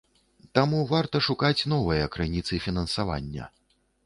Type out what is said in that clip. Таму варта шукаць новыя крыніцы фінансавання.